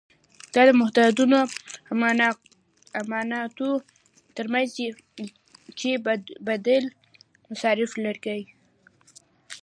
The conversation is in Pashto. دا د محدودو امکاناتو ترمنځ چې بدیل مصارف لري.